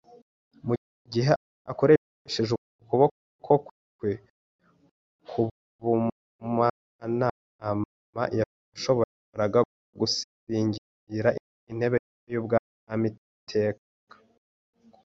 mu gihe akoresheje ukuboko kwe k’ubumana yashoboraga gusingira intebe y’ubwami y’iteka.